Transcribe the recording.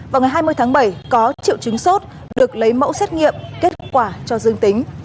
vào ngày hai mươi tháng bảy có triệu chứng sốt được lấy mẫu xét nghiệm kết quả cho dương tính